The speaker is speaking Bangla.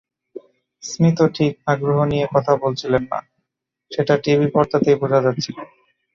স্মিথও ঠিক আগ্রহ নিয়ে কথা বলছিলেন না, সেটা টিভি পর্দাতেই বোঝা যাচ্ছিল।